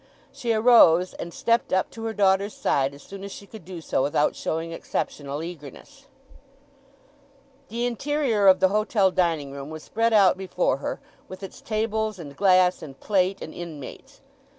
She arose, and stepped up to her daughter's side as soon as she could do so without showing exceptional eagerness. The interior of the hotel dining room was spread out before her, with its tables, and glass, and plate, and inmates.